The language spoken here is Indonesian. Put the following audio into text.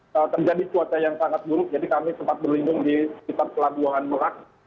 terjadi cuaca yang sangat buruk jadi kami sempat berlindung di sekitar pelabuhan merak